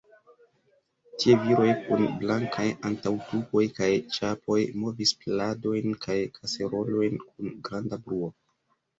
Tie viroj, kun blankaj antaŭtukoj kaj ĉapoj, movis pladojn kaj kaserolojn kun granda bruo.